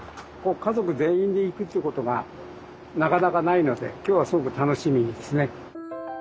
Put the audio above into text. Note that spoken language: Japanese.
家族全員で行くっていうことがなかなかないので今日はすごく楽しみですね。